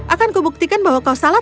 akan kubuktikan bahwa kau salah